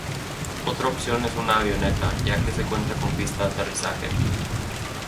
Otra opción es una avioneta, ya que se cuenta con pista de aterrizaje.